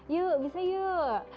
yuk bisa yuk